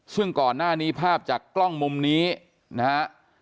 ซึ่งก่อนหน้านี้ภาพจากกล้องมุมนี้นะฮะ